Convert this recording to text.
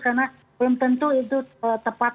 karena belum tentu itu tepat